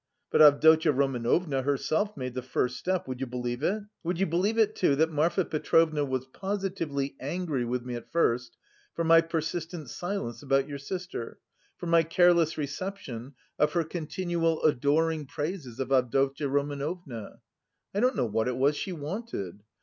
But Avdotya Romanovna herself made the first step, would you believe it? Would you believe it too that Marfa Petrovna was positively angry with me at first for my persistent silence about your sister, for my careless reception of her continual adoring praises of Avdotya Romanovna. I don't know what it was she wanted!